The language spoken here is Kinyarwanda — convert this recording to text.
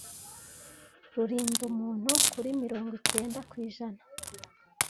rurinda umuntu kuri mirongo icyenda kw’ijana